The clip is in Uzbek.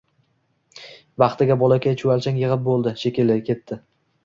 Baxtiga, bolakay chuvalchang yigʻib boʻldi, shekilli, ketdi